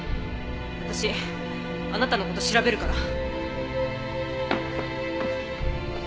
私あなたの事調べるから。